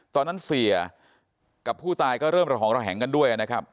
ตอนนั้นเสียกับผู้ตายก็เริ่มระหองระแหงกันด้วยนะครับ